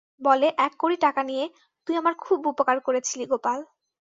বলে, এক কড়ি টাকা নিয়ে তুই আমার খুব উপকার করেছিলি গোপাল।